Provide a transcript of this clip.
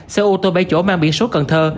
xe ô tô bảy chỗ mang biển số cần thơ